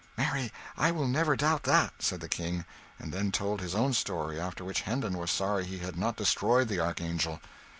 "Marry I will never doubt that!" said the King and then told his own story; after which, Hendon was sorry he had not destroyed the archangel.